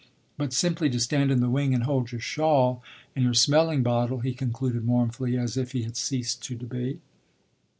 But simply to stand in the wing and hold your shawl and your smelling bottle !" he concluded mournfully, as if he had ceased to debate.